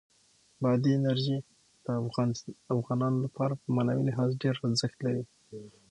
بادي انرژي د افغانانو لپاره په معنوي لحاظ ډېر ارزښت لري.